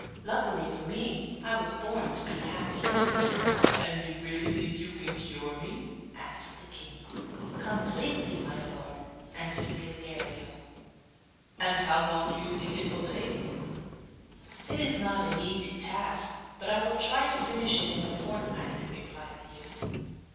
Luckily for me I was born to be happy.' 'And you really think you can cure me?' asked the king. 'Completely, my lord,' answered Gilguerillo. 'And how long do you think it will take?' 'It is not an easy task; but I will try to finish it in a fortnight,' replied the youth.